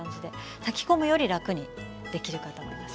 炊き込むより楽にできるかと思います。